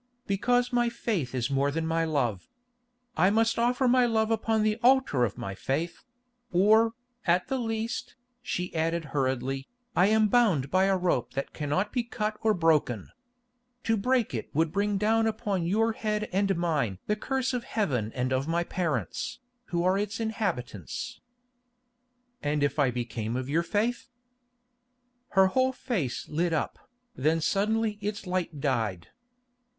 "Because my faith is more than my love. I must offer my love upon the altar of my faith—or, at the least," she added hurriedly, "I am bound by a rope that cannot be cut or broken. To break it would bring down upon your head and mine the curse of Heaven and of my parents, who are its inhabitants." "And if I became of your faith?" Her whole face lit up, then suddenly its light died.